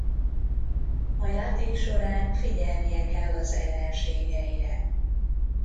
A játék során figyelnie kell az ellenségeire.